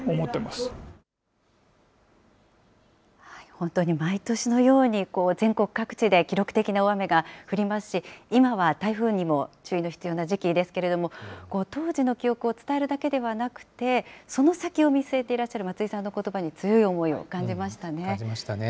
本当に毎年のように、全国各地で記録的な大雨が降りますし、今は台風にも注意の必要な時期ですけれども、当時の記憶を伝えるだけではなくて、その先を見据えていらっしゃる松井さんのことば感じましたね。